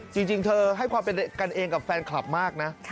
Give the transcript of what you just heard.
จริงเธอให้ความเป็นกันเองกับแฟนคลับมากนะ